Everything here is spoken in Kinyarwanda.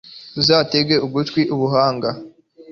uzatege ugutwi ubuhanga